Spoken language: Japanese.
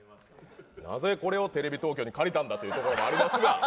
なぜ、これをテレビ東京に借りたんだということはありますが。